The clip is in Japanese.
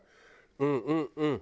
うんうんうん。